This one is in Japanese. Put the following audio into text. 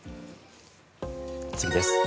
次です。